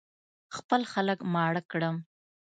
خپل خلک ماړه کړم.